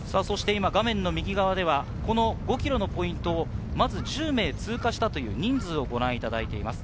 画面の右側では５ｋｍのポイントをまず１０名、通過した人数をご覧いただいています。